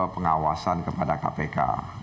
pengawasan kepada kpk